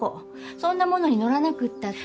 そんなものに乗らなくったって。